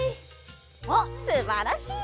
おっすばらしい！